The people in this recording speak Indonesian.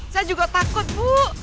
saya juga takut bu